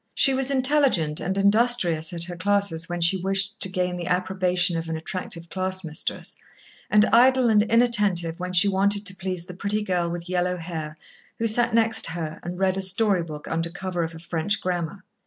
She was intelligent and industrious at her classes when she wished to gain the approbation of an attractive class mistress, and idle and inattentive when she wanted to please the pretty girl with yellow hair, who sat next her and read a story book under cover of a French grammar.